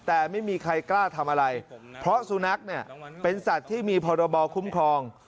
แต่ไม่มีใครกล้าทำอะไรเพราะสุนัขเนี่ยเป็นสัตว์ที่มีพรบคุ้มครอง